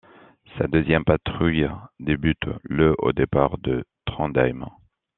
Sa deuxième patrouille débute le au départ de Trondheim.